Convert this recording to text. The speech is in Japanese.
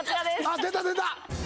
出た出た！